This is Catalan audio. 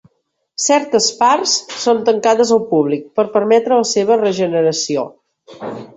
Certes parts són tancades al públic per permetre la seva regeneració.